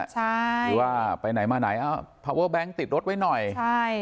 ใช่หรือว่าไปไหนมาไหนเอ้าติดรถไว้หน่อยใช่